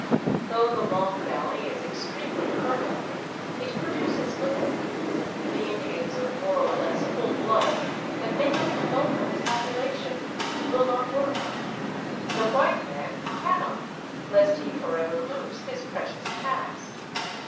Though the long valley is extremely fertile, it produces little. The Indians of more or less full blood that make up the bulk of the population will not work ; the " white " man cannot, lest he for ever lose his precious caste.